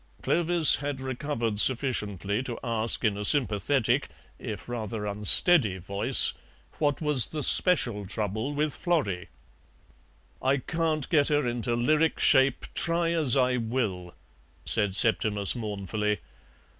Clovis had recovered sufficiently to ask in a sympathetic, if rather unsteady, voice what was the special trouble with "Florrie." "I can't get her into lyric shape, try as I will," said Septimus mournfully.